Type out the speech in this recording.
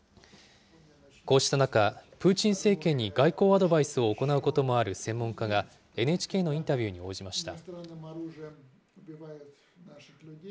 こうした中、プーチン政権に外交アドバイスを行うこともある専門家が、ＮＨＫのインタビューに応じました。